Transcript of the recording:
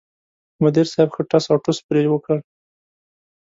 مدیر صاحب ښه ټس اوټوس پرې وکړ.